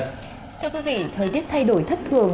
thưa quý vị thời tiết thay đổi thất thường